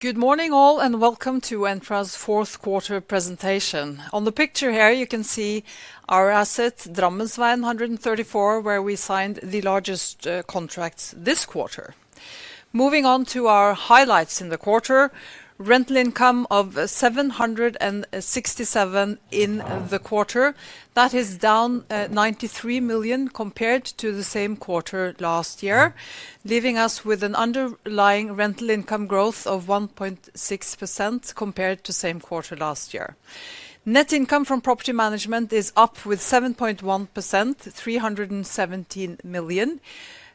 Good morning all, and welcome to Entra's fourth quarter presentation. On the picture here, you can see our asset, Drammensveien 134, where we signed the largest contract this quarter. Moving on to our highlights in the quarter: rental income of 767 million in the quarter. That is down 93 million compared to the same quarter last year, leaving us with an underlying rental income growth of 1.6% compared to the same quarter last year. Net income from property management is up with 7.1%, 317 million.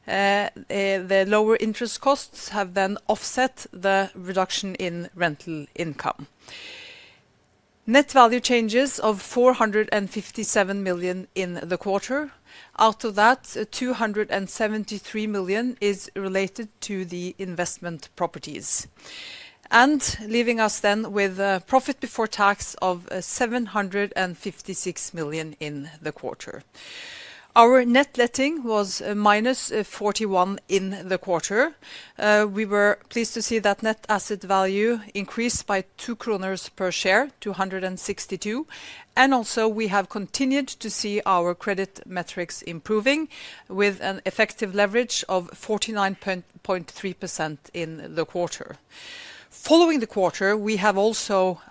The lower interest costs have then offset the reduction in rental income. Net value changes of 457 million in the quarter. Out of that, 273 million is related to the investment properties. And leaving us then with a profit before tax of 756 million in the quarter. Our net letting was minus 41 in the quarter. We were pleased to see that Net Asset Value increased by 2 kroner per share, 262, and also, we have continued to see our credit metrics improving with an effective leverage of 49.3% in the quarter. Following the quarter, we have also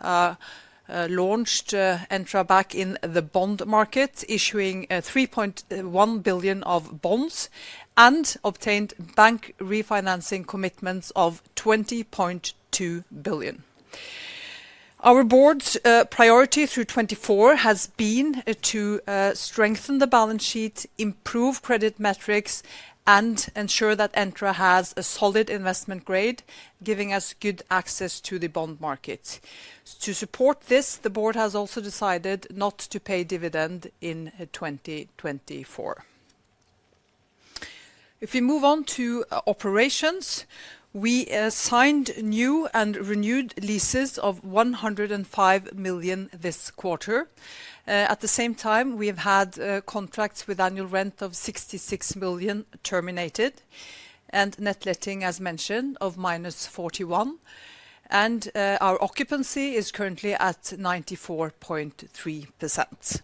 launched Entra back in the bond market, issuing 3.1 billion of bonds and obtained bank refinancing commitments of 20.2 billion. Our board's priority through 2024 has been to strengthen the balance sheet, improve credit metrics, and ensure that Entra has a solid investment grade, giving us good access to the bond market. To support this, the board has also decided not to pay dividend in 2024. If we move on to operations, we signed new and renewed leases of 105 million this quarter. At the same time, we have had contracts with annual rent of 66 million terminated, and net letting, as mentioned, of -41 million. Our occupancy is currently at 94.3%.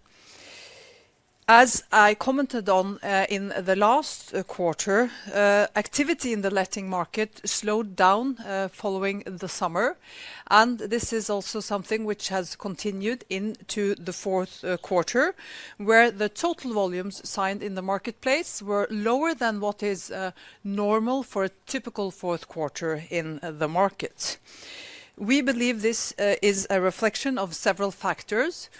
As I commented on in the last quarter, activity in the letting market slowed down following the summer. This is also something which has continued into the fourth quarter, where the total volumes signed in the marketplace were lower than what is normal for a typical fourth quarter in the market. We believe this is a reflection of several factors.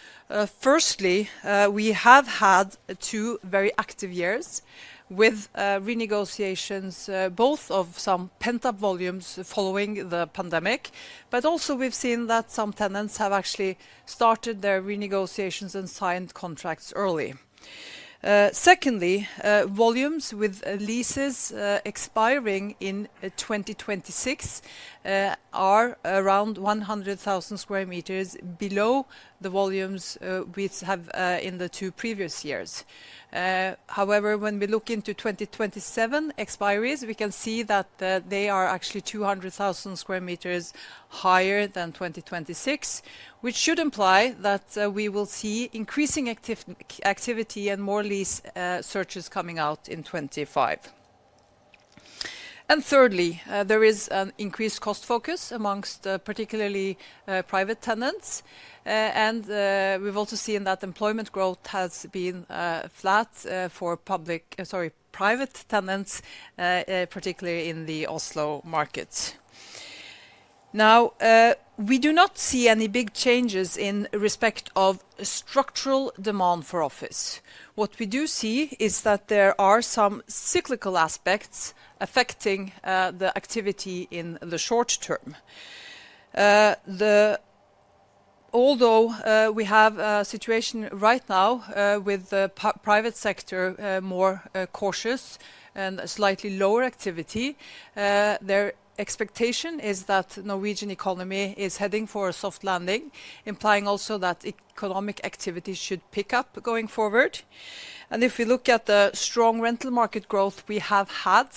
Firstly, we have had two very active years with renegotiations, both of some pent-up volumes following the pandemic, but also, we've seen that some tenants have actually started their renegotiations and signed contracts early. Secondly, volumes with leases expiring in 2026 are around 100,000 square meters below the volumes we have in the two previous years. However, when we look into 2027 expiries, we can see that they are actually 200,000 square meters higher than 2026, which should imply that we will see increasing activity and more lease searches coming out in 2025. And thirdly, there is an increased cost focus amongst particularly private tenants. And we've also seen that employment growth has been flat for public, sorry, private tenants, particularly in the Oslo market. Now, we do not see any big changes in respect of structural demand for office. What we do see is that there are some cyclical aspects affecting the activity in the short term. Although we have a situation right now with the private sector more cautious and slightly lower activity, their expectation is that the Norwegian economy is heading for a soft landing, implying also that economic activity should pick up going forward. And if we look at the strong rental market growth we have had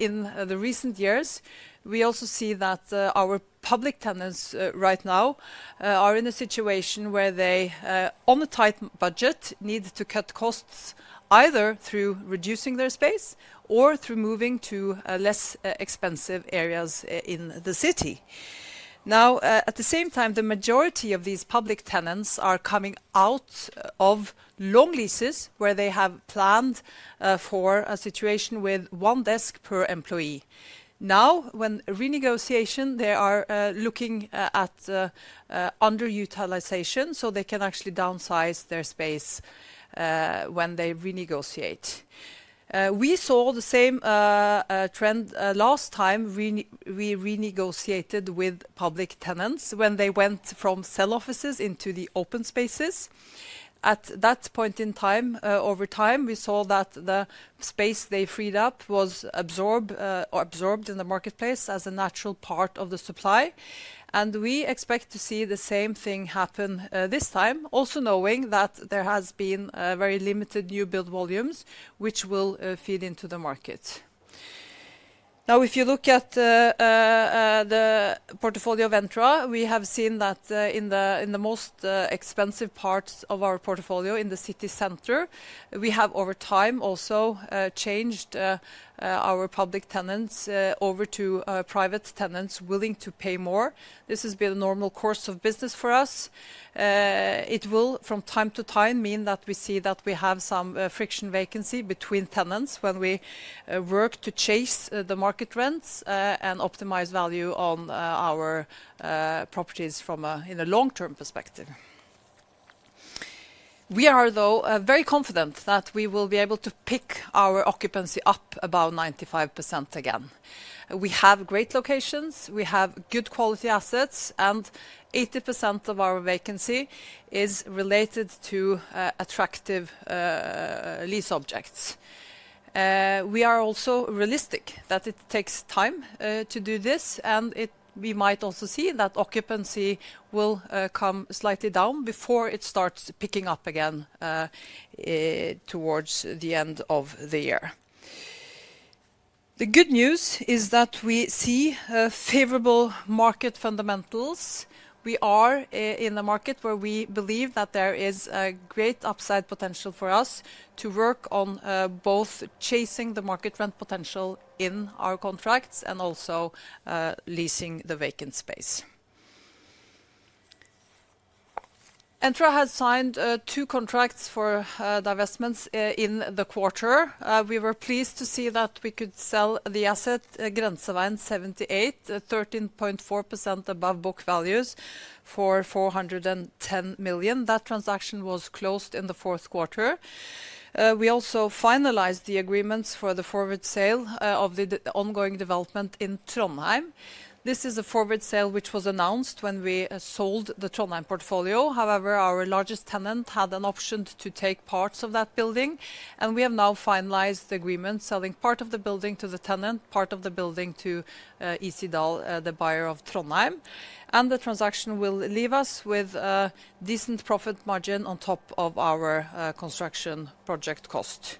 in the recent years, we also see that our public tenants right now are in a situation where they, on a tight budget, need to cut costs either through reducing their space or through moving to less expensive areas in the city. Now, at the same time, the majority of these public tenants are coming out of long leases where they have planned for a situation with one desk per employee. Now, when renegotiation, they are looking at underutilization so they can actually downsize their space when they renegotiate. We saw the same trend last time we renegotiated with public tenants when they went from cell offices into the open spaces. At that point in time, over time, we saw that the space they freed up was absorbed in the marketplace as a natural part of the supply, and we expect to see the same thing happen this time, also knowing that there has been very limited new build volumes, which will feed into the market. Now, if you look at the portfolio of Entra, we have seen that in the most expensive parts of our portfolio in the city center, we have over time also changed our public tenants over to private tenants willing to pay more. This has been a normal course of business for us. It will, from time to time, mean that we see that we have some friction vacancy between tenants when we work to chase the market rents and optimize value on our properties from a long-term perspective. We are, though, very confident that we will be able to pick our occupancy up about 95% again. We have great locations, we have good quality assets, and 80% of our vacancy is related to attractive lease objects. We are also realistic that it takes time to do this, and we might also see that occupancy will come slightly down before it starts picking up again towards the end of the year. The good news is that we see favorable market fundamentals. We are in a market where we believe that there is a great upside potential for us to work on both chasing the market rent potential in our contracts and also leasing the vacant space. Entra has signed two contracts for divestments in the quarter. We were pleased to see that we could sell the asset Grenseveien 78B, 13.4% above book values for 410 million. That transaction was closed in the fourth quarter. We also finalized the agreements for the forward sale of the ongoing development in Trondheim. This is a forward sale which was announced when we sold the Trondheim portfolio. However, our largest tenant had an option to take parts of that building, and we have now finalized the agreement, selling part of the building to the tenant, part of the building to E C Dahls Eiendom, the buyer of Trondheim. And the transaction will leave us with a decent profit margin on top of our construction project cost.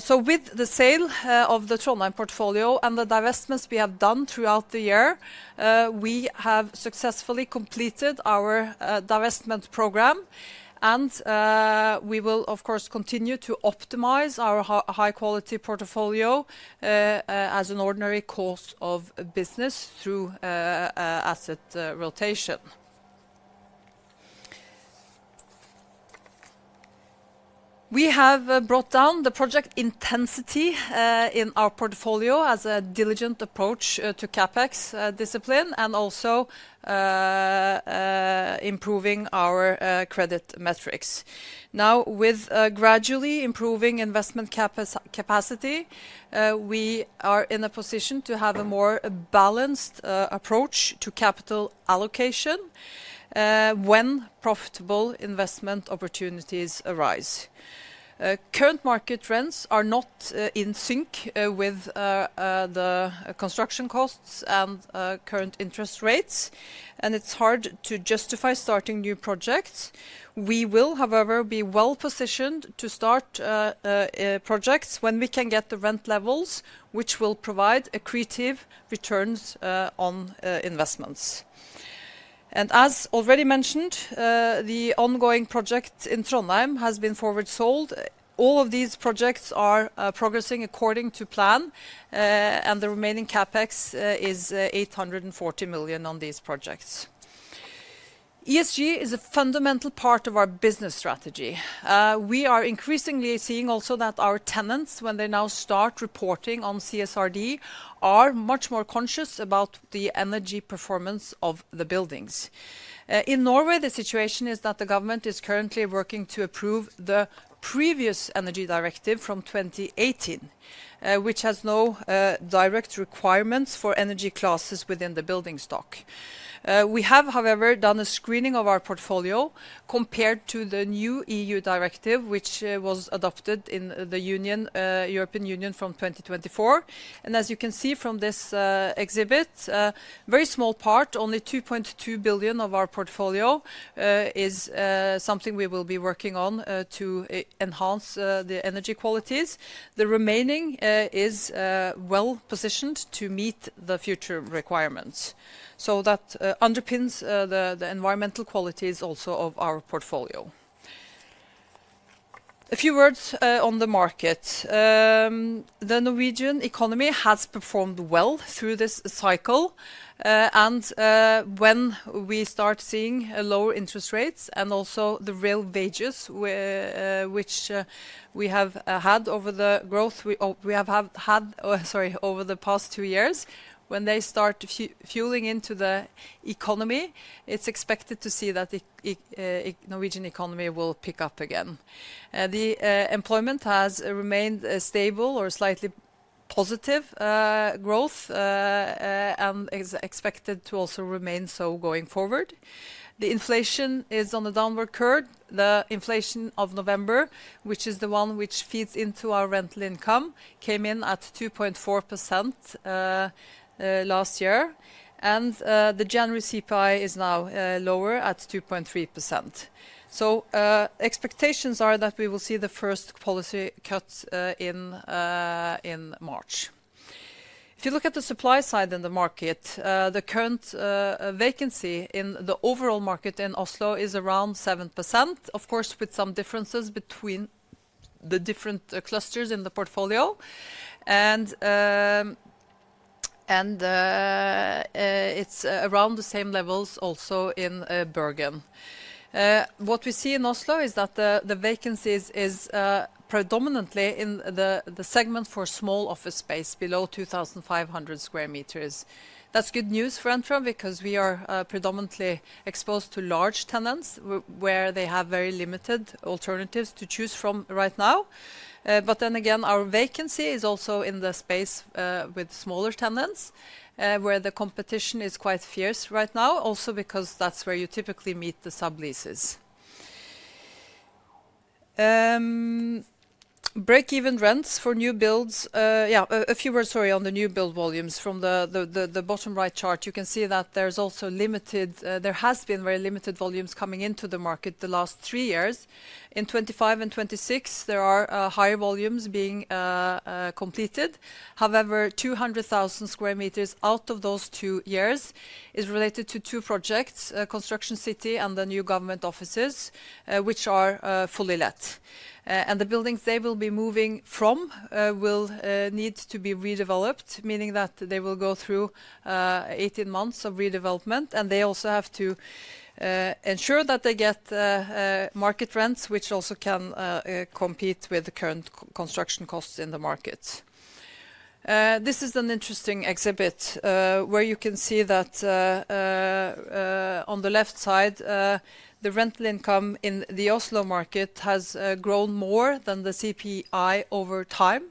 So, with the sale of the Trondheim portfolio and the divestments we have done throughout the year, we have successfully completed our divestment program, and we will, of course, continue to optimize our high-quality portfolio as an ordinary course of business through asset rotation. We have brought down the project intensity in our portfolio as a diligent approach to CapEx discipline and also improving our credit metrics. Now, with gradually improving investment capacity, we are in a position to have a more balanced approach to capital allocation when profitable investment opportunities arise. Current market trends are not in sync with the construction costs and current interest rates, and it's hard to justify starting new projects. We will, however, be well positioned to start projects when we can get the rent levels, which will provide accretive returns on investments, and as already mentioned, the ongoing project in Trondheim has been forward sold. All of these projects are progressing according to plan, and the remaining CapEx is 840 million on these projects. ESG is a fundamental part of our business strategy. We are increasingly seeing also that our tenants, when they now start reporting on CSRD, are much more conscious about the energy performance of the buildings. In Norway, the situation is that the government is currently working to approve the previous energy directive from 2018, which has no direct requirements for energy classes within the building stock. We have, however, done a screening of our portfolio compared to the new EU directive, which was adopted in the European Union from 2024, and as you can see from this exhibit, a very small part, only 2.2 billion of our portfolio, is something we will be working on to enhance the energy qualities. The remaining is well positioned to meet the future requirements, so that underpins the environmental qualities also of our portfolio. A few words on the market. The Norwegian economy has performed well through this cycle. When we start seeing lower interest rates and also the real wages, which we have had over the growth we have had, sorry, over the past two years, when they start fueling into the economy, it's expected to see that the Norwegian economy will pick up again. The employment has remained stable or slightly positive growth and is expected to also remain so going forward. The inflation is on the downward curve. The inflation of November, which is the one which feeds into our rental income, came in at 2.4% last year. The January CPI is now lower at 2.3%. Expectations are that we will see the first policy cuts in March. If you look at the supply side in the market, the current vacancy in the overall market in Oslo is around 7%, of course, with some differences between the different clusters in the portfolio. It's around the same levels also in Bergen. What we see in Oslo is that the vacancy is predominantly in the segment for small office space below 2,500 square meters. That's good news for Entra because we are predominantly exposed to large tenants where they have very limited alternatives to choose from right now. But then again, our vacancy is also in the space with smaller tenants where the competition is quite fierce right now, also because that's where you typically meet the subleases. Break-even rents for new builds. Yeah, a few words, sorry, on the new build volumes. From the bottom right chart, you can see that there has been very limited volumes coming into the market the last three years. In 2025 and 2026, there are higher volumes being completed. However, 200,000 square meters out of those two years is related to two projects, Construction City and the new government offices, which are fully let. And the buildings they will be moving from will need to be redeveloped, meaning that they will go through 18 months of redevelopment. And they also have to ensure that they get market rents, which also can compete with the current construction costs in the market. This is an interesting exhibit where you can see that on the left side, the rental income in the Oslo market has grown more than the CPI over time.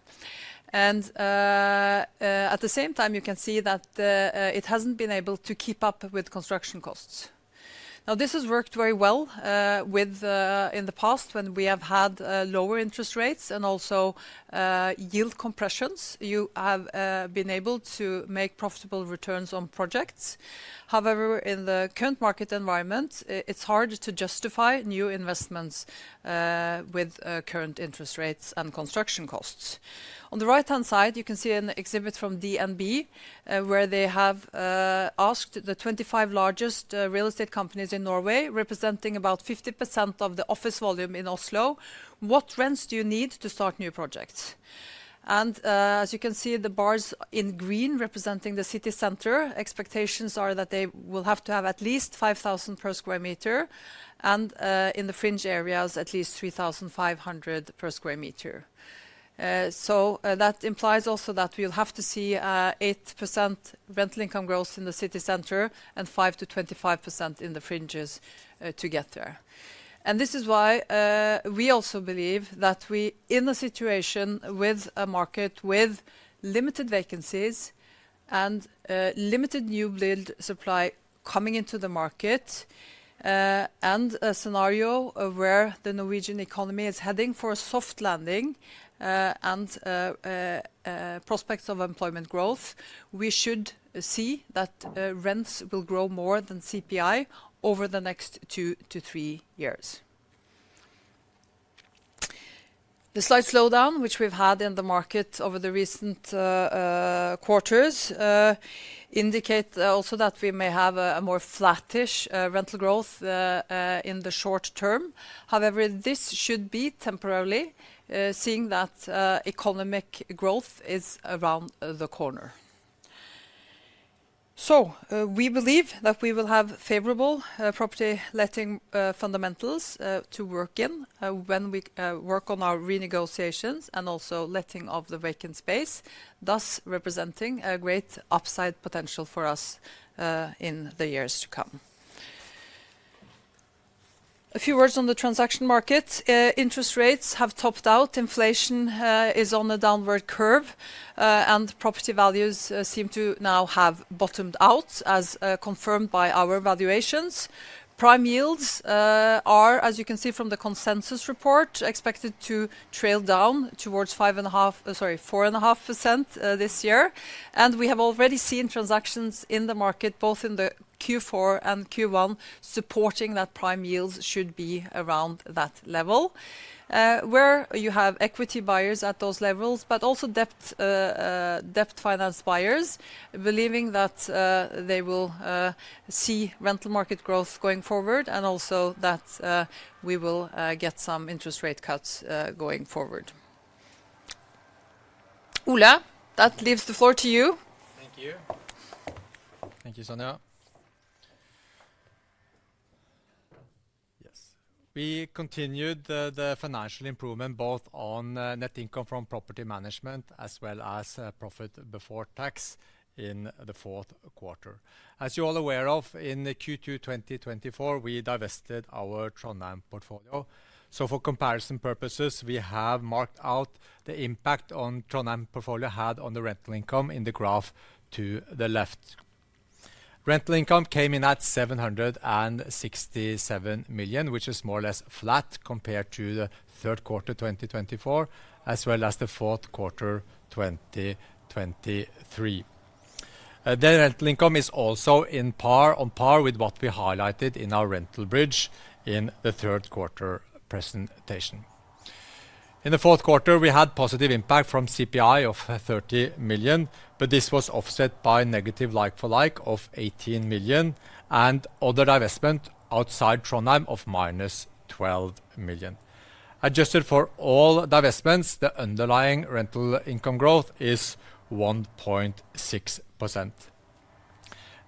And at the same time, you can see that it hasn't been able to keep up with construction costs. Now, this has worked very well in the past when we have had lower interest rates and also yield compressions. You have been able to make profitable returns on projects. However, in the current market environment, it's hard to justify new investments with current interest rates and construction costs. On the right-hand side, you can see an exhibit from DNB where they have asked the 25 largest real estate companies in Norway, representing about 50% of the office volume in Oslo, what rents do you need to start new projects? And as you can see, the bars in green representing the city center, expectations are that they will have to have at least 5,000 per square meter and in the fringe areas, at least 3,500 per square meter. So that implies also that we will have to see 8% rental income growth in the city center and 5%-25% in the fringes to get there. This is why we also believe that we in a situation with a market with limited vacancies and limited new build supply coming into the market and a scenario where the Norwegian economy is heading for a soft landing and prospects of employment growth, we should see that rents will grow more than CPI over the next two to three years. The slight slowdown which we've had in the market over the recent quarters indicates also that we may have a more flattish rental growth in the short term. However, this should be temporarily, seeing that economic growth is around the corner. We believe that we will have favorable property letting fundamentals to work in when we work on our renegotiations and also letting of the vacant space, thus representing a great upside potential for us in the years to come. A few words on the transaction market. Interest rates have topped out. Inflation is on a downward curve, and property values seem to now have bottomed out, as confirmed by our valuations. Prime yields are, as you can see from the consensus report, expected to trail down towards 5.5%, sorry, 4.5% this year. And we have already seen transactions in the market, both in the Q4 and Q1, supporting that prime yields should be around that level, where you have equity buyers at those levels, but also debt finance buyers, believing that they will see rental market growth going forward and also that we will get some interest rate cuts going forward. Ole, that leaves the floor to you. Thank you. Thank you, Sonja. Yes. We continued the financial improvement both on net income from property management as well as profit before tax in the fourth quarter. As you are aware of, in Q2 2024, we divested our Trondheim portfolio. So for comparison purposes, we have marked out the impact on Trondheim portfolio had on the rental income in the graph to the left. Rental income came in at 767 million, which is more or less flat compared to the third quarter 2024, as well as the fourth quarter 2023. The rental income is also on par with what we highlighted in our rental bridge in the third quarter presentation. In the fourth quarter, we had positive impact from CPI of 30 million, but this was offset by negative like-for-like of 18 million and other divestment outside Trondheim of minus 12 million. Adjusted for all divestments, the underlying rental income growth is 1.6%.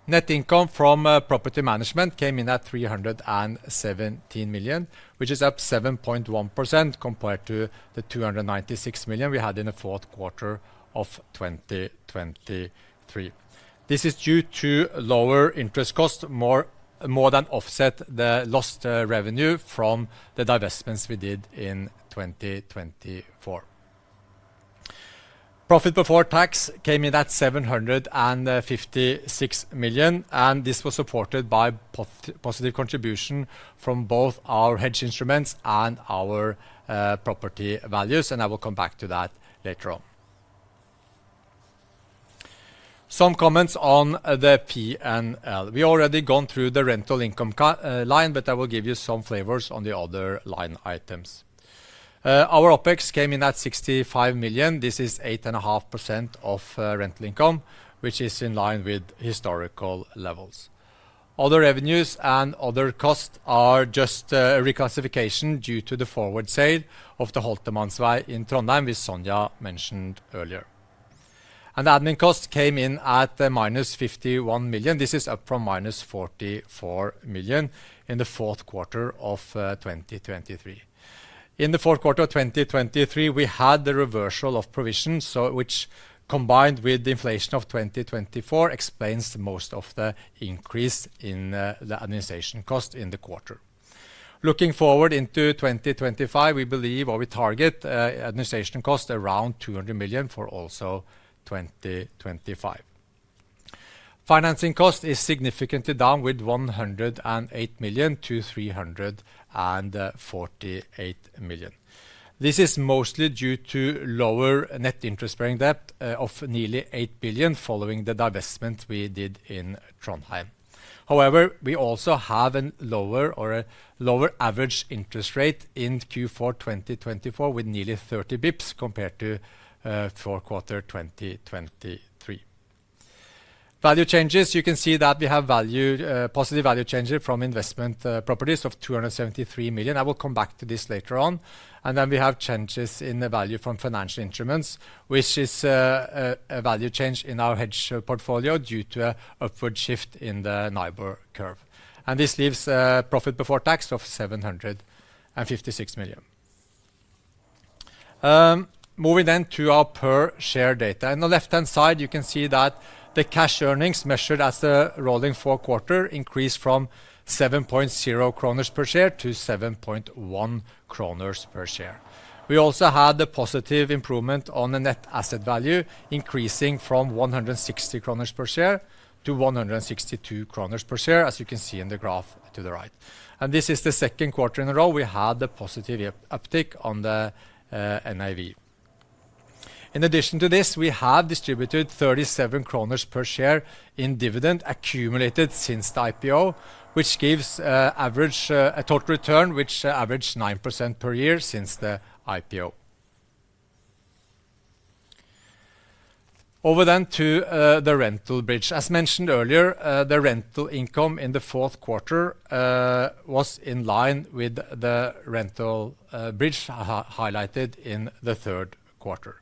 Net income from property management came in at 317 million, which is up 7.1% compared to the 296 million we had in the fourth quarter of 2023. This is due to lower interest costs more than offset the lost revenue from the divestments we did in 2024. Profit before tax came in at 756 million, and this was supported by positive contribution from both our hedge instruments and our property values, and I will come back to that later on. Some comments on the P&L. We already gone through the rental income line, but I will give you some flavors on the other line items. Our OpEx came in at 65 million. This is 8.5% of rental income, which is in line with historical levels. Other revenues and other costs are just a reclassification due to the forward sale of the Holtermanns veg in Trondheim, which Sonja mentioned earlier. Admin costs came in at minus 51 million. This is up from minus 44 million in the fourth quarter of 2023. In the fourth quarter of 2023, we had the reversal of provisions, which combined with the inflation of 2024 explains most of the increase in the administration cost in the quarter. Looking forward into 2025, we believe or we target administration costs around 200 million for also 2025. Financing cost is significantly down with 108 million to 348 million. This is mostly due to lower net interest-bearing debt of nearly 8 billion following the divestment we did in Trondheim. However, we also have a lower average interest rate in Q4 2024 with nearly 30 basis points compared to fourth quarter 2023. Value changes, you can see that we have positive value changes from investment properties of 273 million. I will come back to this later on. Then we have changes in the value from financial instruments, which is a value change in our hedge portfolio due to an upward shift in the NIBOR. And this leaves profit before tax of 756 million. Moving then to our per-share data. On the left-hand side, you can see that the cash earnings measured as the rolling fourth quarter increased from 7.0 kroner per share to 7.1 kroner per share. We also had the positive improvement on the net asset value increasing from 160 kroner per share to 162 kroner per share, as you can see in the graph to the right. And this is the second quarter in a row we had the positive uptick on the NAV. In addition to this, we have distributed 37 kroner per share in dividend accumulated since the IPO, which gives average a total return which averaged 9% per year since the IPO. Over then to the rental bridge. As mentioned earlier, the rental income in the fourth quarter was in line with the rental bridge highlighted in the third quarter.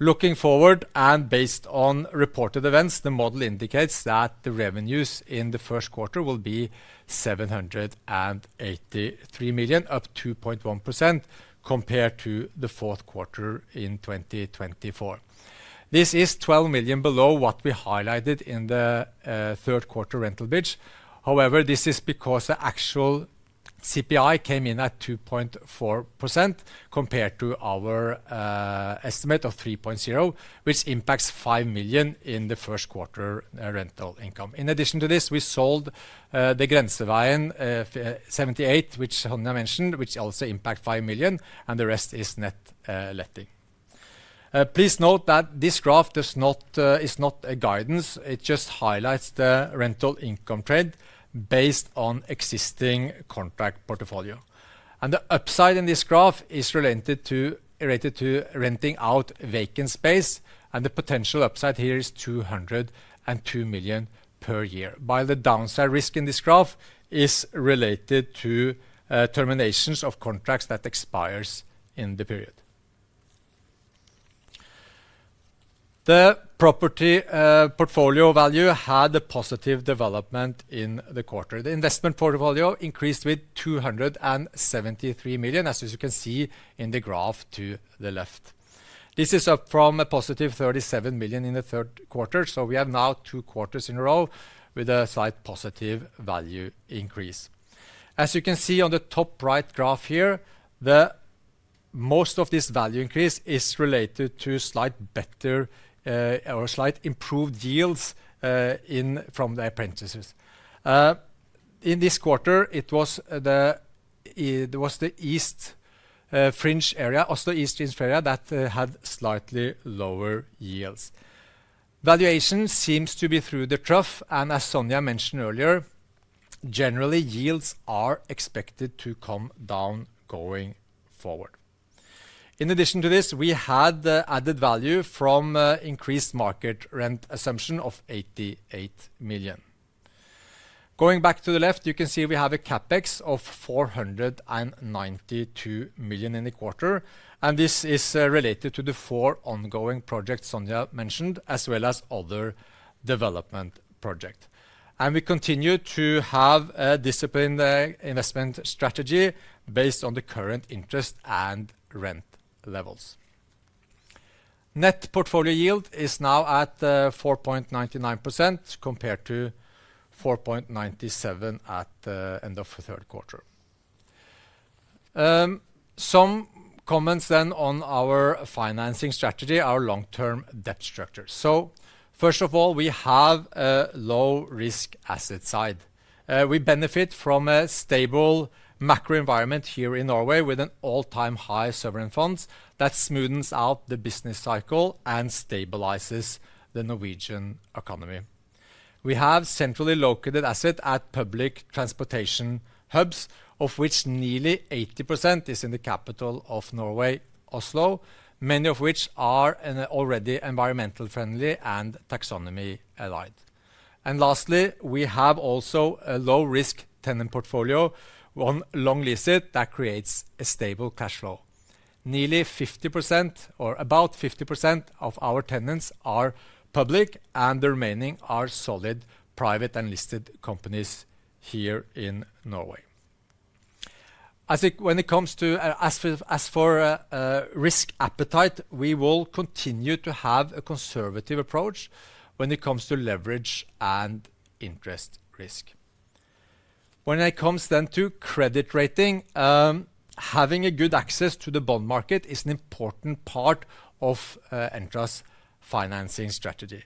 Looking forward and based on reported events, the model indicates that the revenues in the first quarter will be 783 million NOK, up 2.1% compared to the fourth quarter in 2024. This is 12 million NOK below what we highlighted in the third quarter rental bridge. However, this is because the actual CPI came in at 2.4% compared to our estimate of 3.0, which impacts 5 million NOK in the first quarter rental income. In addition to this, we sold the Grenseveien 78B, which Sonja mentioned, which also impacts 5 million, and the rest is net letting. Please note that this graph is not a guidance. It just highlights the rental income trend based on existing contract portfolio, and the upside in this graph is related to renting out vacant space, and the potential upside here is 202 million per year. While the downside risk in this graph is related to terminations of contracts that expires in the period. The property portfolio value had a positive development in the quarter. The investment portfolio increased with 273 million, as you can see in the graph to the left. This is up from a positive 37 million in the third quarter, so we have now two quarters in a row with a slight positive value increase. As you can see on the top right graph here, most of this value increase is related to slight better or slight improved yields from the appraisals. In this quarter, it was the East Fringe area, also East Fringe area, that had slightly lower yields. Valuation seems to be through the trough, and as Sonja mentioned earlier, generally yields are expected to come down going forward. In addition to this, we had the added value from increased market rent assumption of 88 million. Going back to the left, you can see we have a CapEx of 492 million in the quarter, and this is related to the four ongoing projects Sonja mentioned, as well as other development projects. We continue to have a disciplined investment strategy based on the current interest and rent levels. Net portfolio yield is now at 4.99% compared to 4.97% at the end of the third quarter. Some comments then on our financing strategy, our long-term debt structure. So first of all, we have a low-risk asset side. We benefit from a stable macro environment here in Norway with an all-time high sovereign funds that smoothens out the business cycle and stabilizes the Norwegian economy. We have centrally located assets at public transportation hubs, of which nearly 80% is in the capital of Norway, Oslo, many of which are already environmentally friendly and taxonomy aligned. And lastly, we have also a low-risk tenant portfolio on long leases that creates a stable cash flow. Nearly 50% or about 50% of our tenants are public, and the remaining are solid private and listed companies here in Norway. When it comes to risk appetite, we will continue to have a conservative approach when it comes to leverage and interest risk. When it comes then to credit rating, having good access to the bond market is an important part of Entra's financing strategy,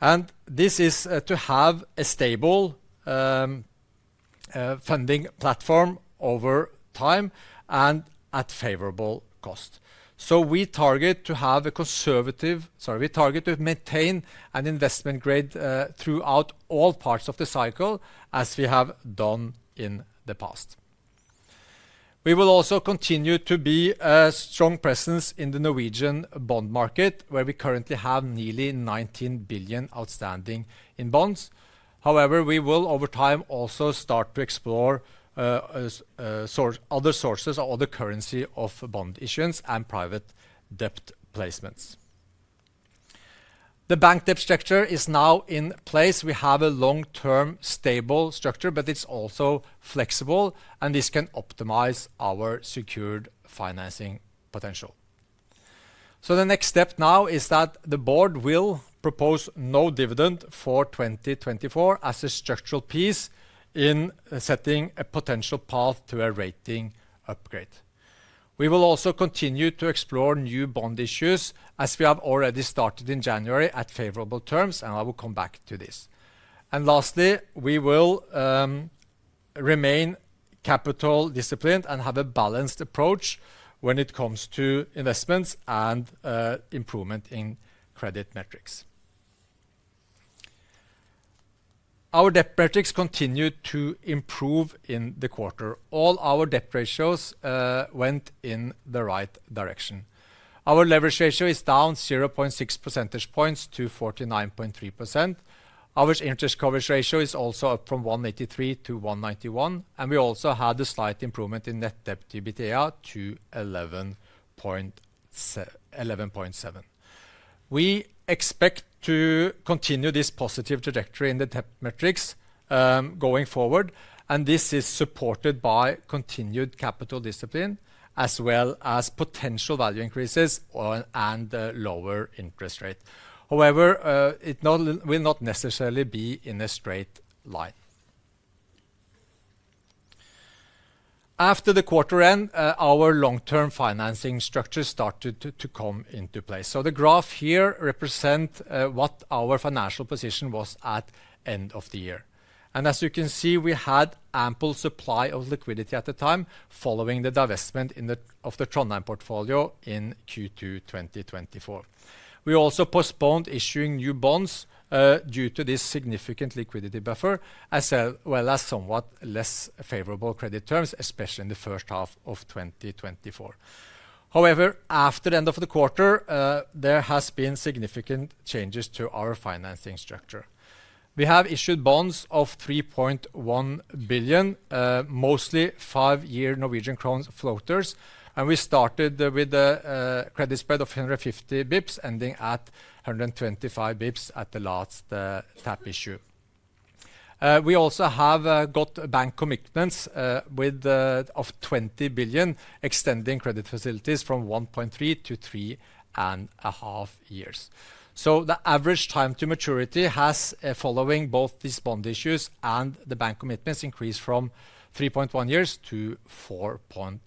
and this is to have a stable funding platform over time and at favorable cost. We target to have a conservative, sorry, we target to maintain an investment grade throughout all parts of the cycle, as we have done in the past. We will also continue to be a strong presence in the Norwegian bond market, where we currently have nearly 19 billion outstanding in bonds. However, we will over time also start to explore other sources or other currency of bond issuance and private debt placements. The bank debt structure is now in place. We have a long-term stable structure, but it's also flexible, and this can optimize our secured financing potential. So the next step now is that the board will propose no dividend for 2024 as a structural piece in setting a potential path to a rating upgrade. We will also continue to explore new bond issues, as we have already started in January at favorable terms, and I will come back to this. And lastly, we will remain capital disciplined and have a balanced approach when it comes to investments and improvement in credit metrics. Our debt metrics continue to improve in the quarter. All our debt ratios went in the right direction. Our leverage ratio is down 0.6 percentage points to 49.3%. Our interest coverage ratio is also up from 183 to 191, and we also had a slight improvement in net debt to EBITDA to 11.7. We expect to continue this positive trajectory in the debt metrics going forward, and this is supported by continued capital discipline as well as potential value increases and lower interest rate. However, it will not necessarily be in a straight line. After the quarter end, our long-term financing structure started to come into place. So the graph here represents what our financial position was at the end of the year. And as you can see, we had ample supply of liquidity at the time following the divestment of the Trondheim portfolio in Q2 2024. We also postponed issuing new bonds due to this significant liquidity buffer, as well as somewhat less favorable credit terms, especially in the first half of 2024. However, after the end of the quarter, there have been significant changes to our financing structure. We have issued bonds of 3.1 billion, mostly five-year Norwegian crown floaters, and we started with a credit spread of 150 basis points ending at 125 basis points at the last tap issue. We also have got bank commitments of 20 billion, extending credit facilities from 1.3 to 3.5 years. So the average time to maturity has following both these bond issues and the bank commitments increased from 3.1 years to 4.1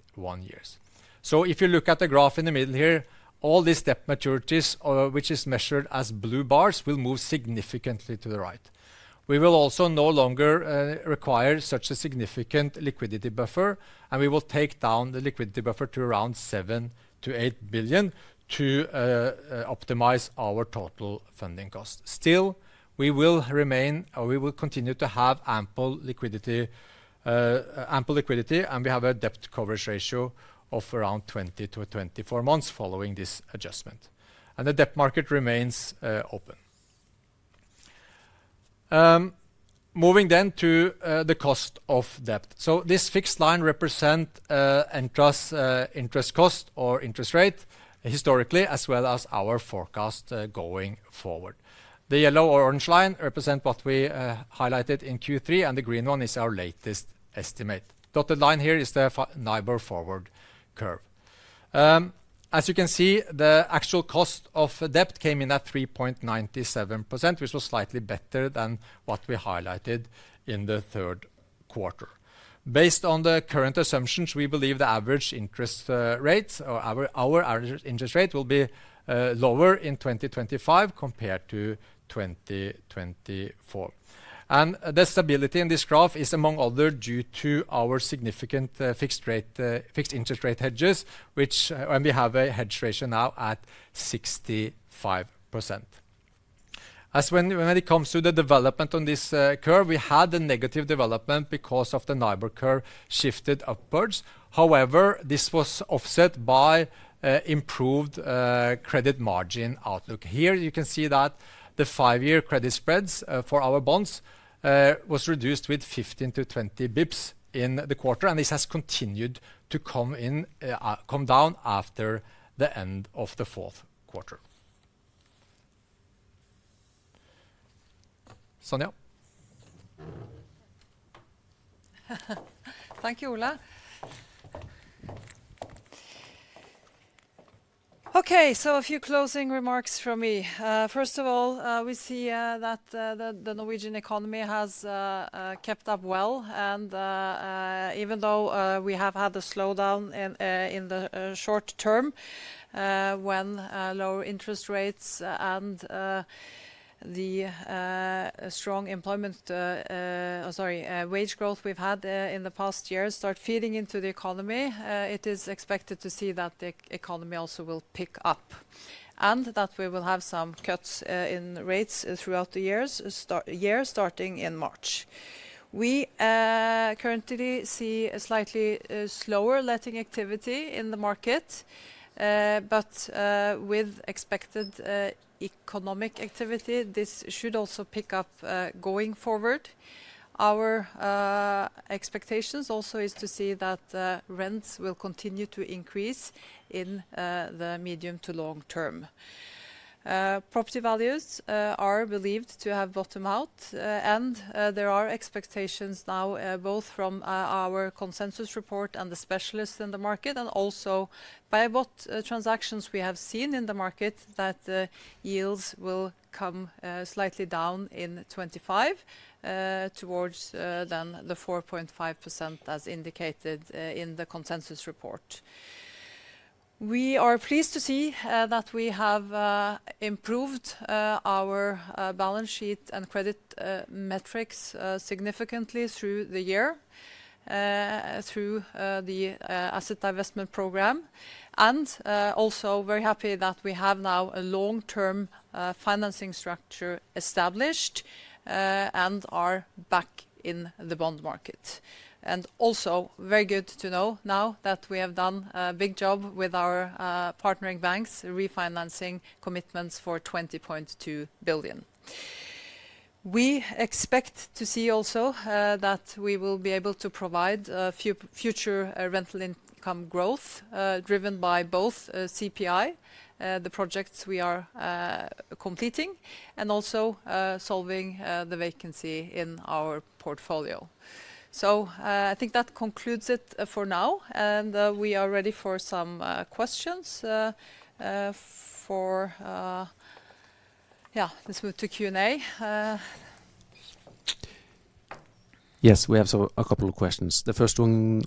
years. So if you look at the graph in the middle here, all these debt maturities, which is measured as blue bars, will move significantly to the right. We will also no longer require such a significant liquidity buffer, and we will take down the liquidity buffer to around 7-8 billion to optimize our total funding cost. Still, we will remain or we will continue to have ample liquidity, and we have a debt coverage ratio of around 20 to 24 months following this adjustment, and the debt market remains open. Moving then to the cost of debt, so this fixed line represents Entra's interest cost or interest rate historically, as well as our forecast going forward. The yellow or orange line represents what we highlighted in Q3, and the green one is our latest estimate. Dotted line here is the NIBOR forward curve. As you can see, the actual cost of debt came in at 3.97%, which was slightly better than what we highlighted in the third quarter. Based on the current assumptions, we believe the average interest rate or our average interest rate will be lower in 2025 compared to 2024. And the stability in this graph is, among other, due to our significant fixed interest rate hedges, which we have a hedge ratio now at 65%. As when it comes to the development on this curve, we had a negative development because of the NIBOR shifted upwards. However, this was offset by improved credit margin outlook. Here you can see that the five-year credit spreads for our bonds were reduced with 15-20 basis points in the quarter, and this has continued to come down after the end of the fourth quarter. Sonja. Thank you, Ole. Okay, so a few closing remarks from me. First of all, we see that the Norwegian economy has kept up well, and even though we have had a slowdown in the short term, when lower interest rates and the strong wage growth we've had in the past year start feeding into the economy, it is expected to see that the economy also will pick up and that we will have some cuts in rates throughout the years, starting in March. We currently see a slightly slower letting activity in the market, but with expected economic activity, this should also pick up going forward. Our expectation also is to see that rents will continue to increase in the medium to long term. Property values are believed to have bottomed out, and there are expectations now, both from our consensus report and the specialists in the market, and also by what transactions we have seen in the market that yields will come slightly down in 2025 towards then the 4.5% as indicated in the consensus report. We are pleased to see that we have improved our balance sheet and credit metrics significantly through the year, through the asset divestment program, and also very happy that we have now a long-term financing structure established and are back in the bond market, and also very good to know now that we have done a big job with our partnering banks, refinancing commitments for 20.2 billion. We expect to see also that we will be able to provide future rental income growth driven by both CPI, the projects we are completing, and also solving the vacancy in our portfolio. So I think that concludes it for now, and we are ready for some questions for, yeah, let's move to Q&A. Yes, we have a couple of questions. The first one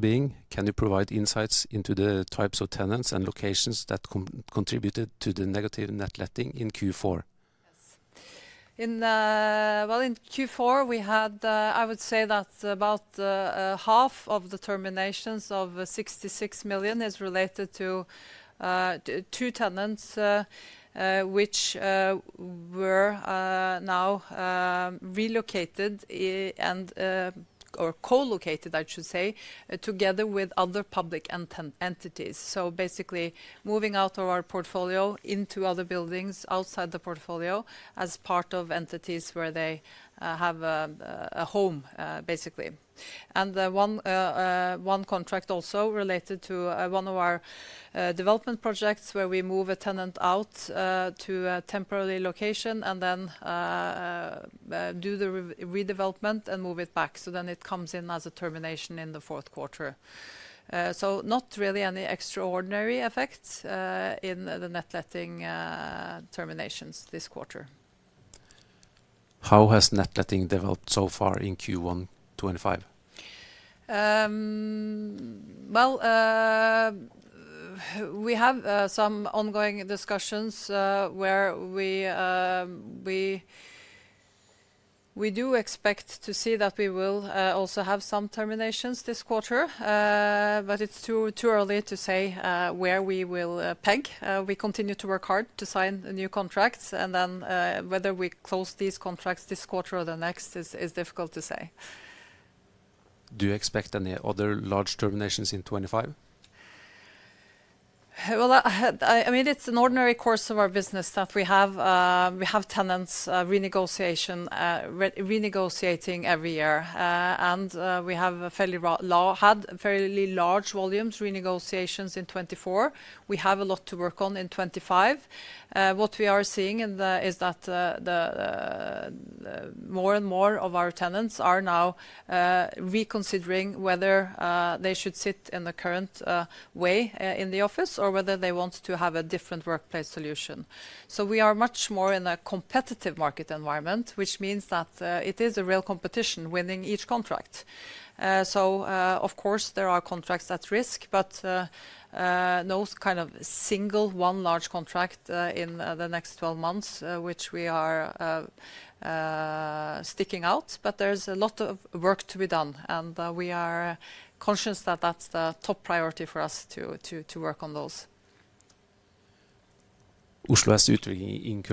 being, can you provide insights into the types of tenants and locations that contributed to the negative net letting in Q4? In Q4, we had, I would say that about half of the terminations of 66 million is related to two tenants, which were now relocated and/or co-located, I should say, together with other public entities. So basically, moving out of our portfolio into other buildings outside the portfolio as part of entities where they have a home, basically. And one contract also related to one of our development projects where we move a tenant out to a temporary location and then do the redevelopment and move it back. So then it comes in as a termination in the fourth quarter. So not really any extraordinary effects in the net letting terminations this quarter. How has net letting developed so far in Q1 2025? Well, we have some ongoing discussions where we do expect to see that we will also have some terminations this quarter, but it's too early to say where we will peg. We continue to work hard to sign new contracts, and then whether we close these contracts this quarter or the next is difficult to say. Do you expect any other large terminations in 2025? Well, I mean, it's an ordinary course of our business that we have tenants renegotiating every year, and we have had fairly large volumes renegotiations in 2024. We have a lot to work on in 2025. What we are seeing is that more and more of our tenants are now reconsidering whether they should sit in the current way in the office or whether they want to have a different workplace solution. So we are much more in a competitive market environment, which means that it is a real competition winning each contract. So of course, there are contracts at risk, but no kind of single one large contract in the next 12 months, which we are sticking out, but there's a lot of work to be done, and we are conscious that that's the top priority for us to work on those. Oslo S Utvikling.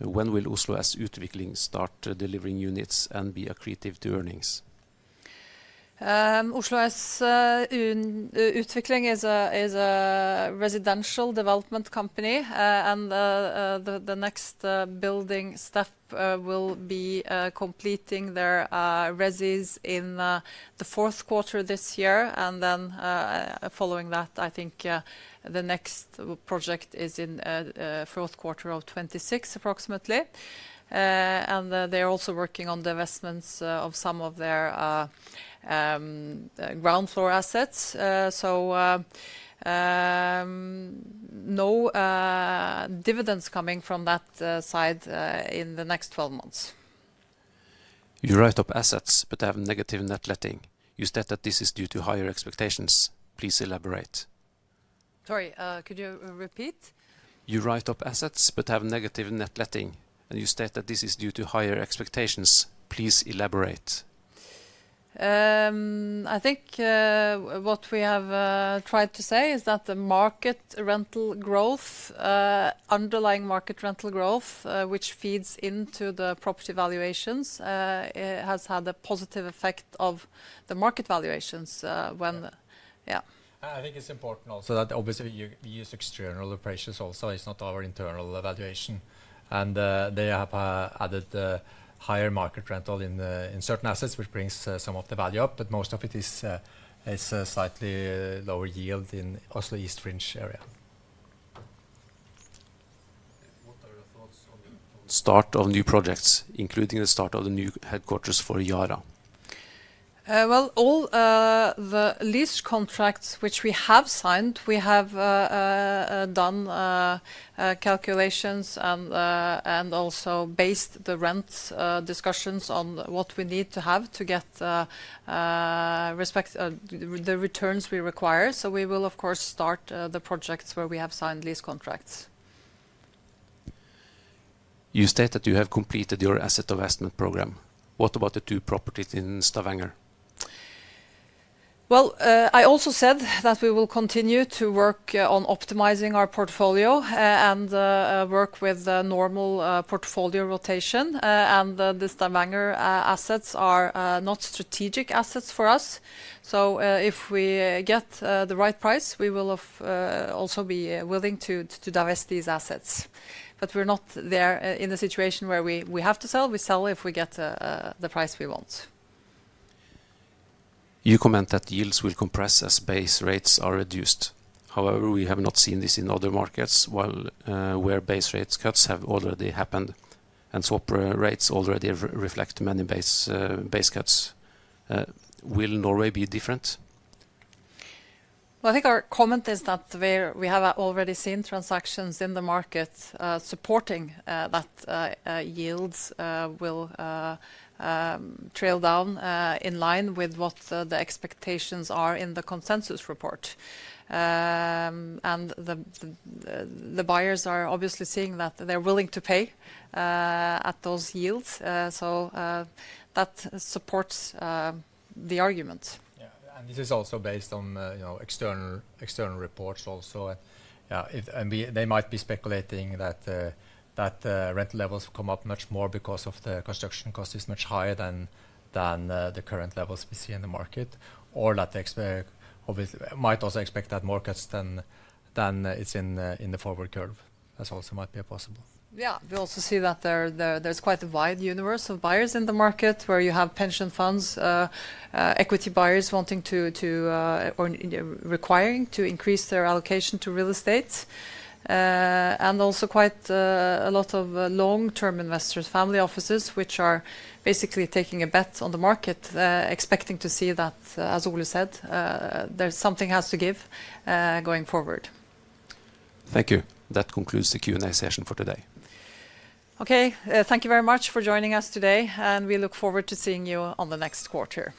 When will Oslo S Utvikling start delivering units and be accretive to earnings? Oslo S Utvikling is a residential development company, and the next building step will be completing their residences in the fourth quarter this year. And then following that, I think the next project is in the fourth quarter of 2026 approximately. And they are also working on the investments of some of their ground floor assets. No dividends coming from that side in the next 12 months. You write up assets, but have negative net letting. You state that this is due to higher expectations. Please elaborate. Sorry, could you repeat? You write up assets, but have negative net letting. And you state that this is due to higher expectations. Please elaborate. I think what we have tried to say is that the market rental growth, underlying market rental growth, which feeds into the property valuations, has had a positive effect on the market valuations. Yeah, I think it's important also that obviously we use external appraisals also. It's not our internal valuation, and they have added higher market rental in certain assets, which brings some of the value up, but most of it is slightly lower yield in Oslo East Fringe area, start of new projects, including the start of the new headquarters for Yara, well, all the lease contracts which we have signed, we have done calculations and also based the rent discussions on what we need to have to get the returns we require, so we will, of course, start the projects where we have signed lease contracts. You state that you have completed your asset investment program. What about the two properties in Stavanger? I also said that we will continue to work on optimizing our portfolio and work with normal portfolio rotation. The Stavanger assets are not strategic assets for us. If we get the right price, we will also be willing to divest these assets. We're not there in a situation where we have to sell. We sell if we get the price we want. You comment that yields will compress as base rates are reduced. However, we have not seen this in other markets where base rate cuts have already happened. Rates already reflect many base cuts. Will Norway be different? I think our comment is that we have already seen transactions in the market supporting that yields will trail down in line with what the expectations are in the consensus report. The buyers are obviously seeing that they're willing to pay at those yields. That supports the argument. Yeah, and this is also based on external reports also. They might be speculating that rental levels come up much more because the construction cost is much higher than the current levels we see in the market. That they might also expect that more cuts than it's in the forward curve. That also might be possible. Yeah, we also see that there's quite a wide universe of buyers in the market where you have pension funds, equity buyers wanting to or requiring to increase their allocation to real estate. Also quite a lot of long-term investors, family offices, which are basically taking a bet on the market, expecting to see that, as Ole said, there's something has to give going forward. Thank you. That concludes the Q&A session for today. Okay, thank you very much for joining us today, and we look forward to seeing you on the next quarter.